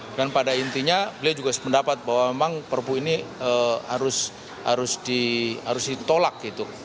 dan pada intinya beliau juga mendapat bahwa memang perpu ini harus ditolak